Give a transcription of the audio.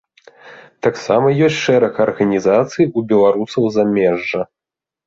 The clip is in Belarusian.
Таксама ёсць шэраг арганізацый у беларусаў замежжа.